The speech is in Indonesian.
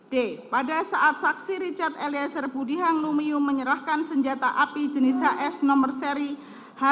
d pada saat saksi richard eliezer budi hanglumiu menyerahkan senjata api jenis hs nomor seri h dua ratus tiga puluh tiga